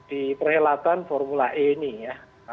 di perhelatan formula e ini ya